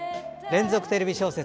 連続テレビ小説